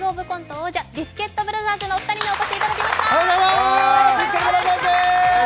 王者ビスケットブラザーズのお二人にお越しいただきました。